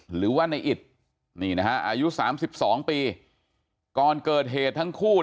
หรือว่าในอิตนี่นะฮะอายุ๓๒ปีก่อนเกิดเหตุทั้งคู่